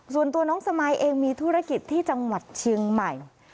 ส่วนตัวน้องสมายเองมีธุรกิจที่จังหวัดเชียงใหม่